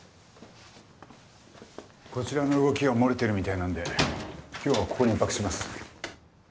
こちらの動きが漏れてるみたいなんで今日はここに１泊します。